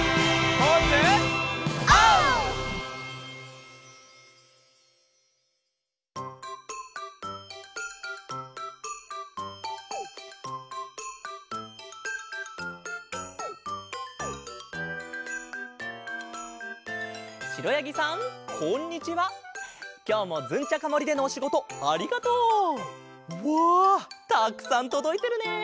たくさんとどいてるね！